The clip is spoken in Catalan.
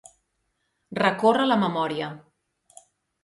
Recórrer la memòria.